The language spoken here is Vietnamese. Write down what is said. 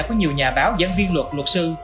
có nhiều nhà báo gián viên luật luật sư